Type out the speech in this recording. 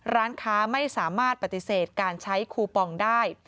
ร้านค้าไม่สามารถปฏิเสธการใช้คูปองได้